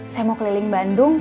saya mau keliling bandung